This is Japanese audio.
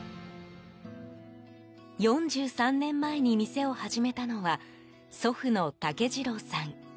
４３年前に店を始めたのは祖父の武次郎さん。